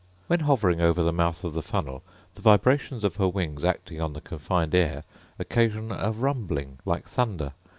When hovering over the mouth of the funnel, the vibrations of her wings acting on the confined air occasion a rumbling like thunder.